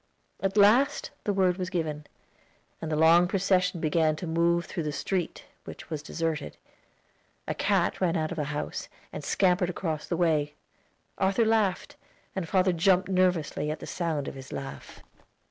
At last the word was given, and the long procession began to move through the street, which was deserted. A cat ran out of a house, and scampered across the way; Arthur laughed, and father jumped nervously at the sound of his laugh.